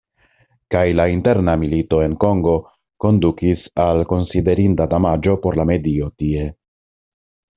Kaj la interna milito en Kongo kondukis al konsiderinda damaĝo por la medio tie.